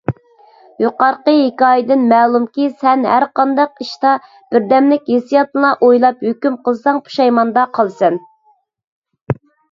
يۇقىرىقى ھېكايەتتىن مەلۇمكى، سەن ھەرقانداق ئىشتا بىردەملىك ھېسسىياتنىلا ئويلاپ، ھۆكۈم قىلساڭ پۇشايماندا قالىسەن.